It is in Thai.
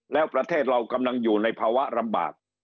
แล้วประเทศเรากำลังอยู่ในภาวะลำบาก